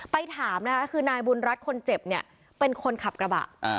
ไปถามนะคะคือนายบุญรัฐคนเจ็บเนี่ยเป็นคนขับกระบะ